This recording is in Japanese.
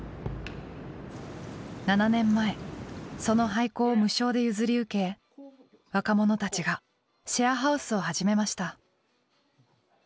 ７年前その廃校を無償で譲り受け若者たちがシェアハウスを始めました